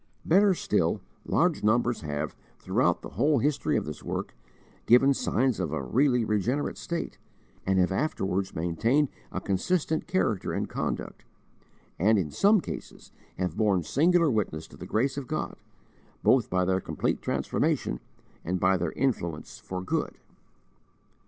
Better still, large numbers have, throughout the whole history of this work, given signs of a really regenerate state, and have afterwards maintained a consistent character and conduct, and in some cases have borne singular witness to the grace of God, both by their complete transformation and by their influence for good.